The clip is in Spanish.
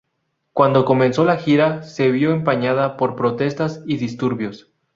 Cuando comenzó la gira, se vio empañada por protestas y disturbios.